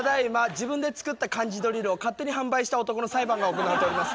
自分で作った漢字ドリルを勝手に販売した男の裁判が行われております。